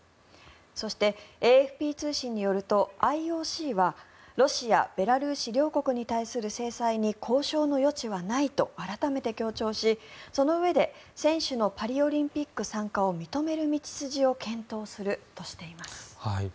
そして、ＡＦＰ通信によるとＩＯＣはロシア、ベラルーシ両国に対する制裁に交渉の余地はないと改めて強調しそのうえで選手のパリオリンピック参加を認める道筋を検討するとしています。